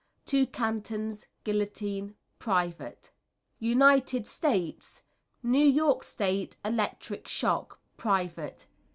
Two cantons, guillotine, private. United States New York State, electric shock, private.